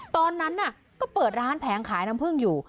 ตอนนั้นก็เปิดร้านแผงขายน้ำผึ้งอยู่